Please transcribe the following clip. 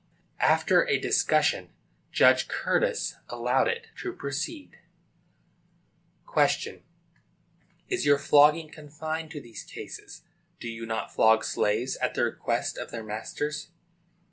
After a discussion, Judge Curtis allowed it to proceed.] Q. Is your flogging confined to these cases? Do you not flog slaves at the request of their masters?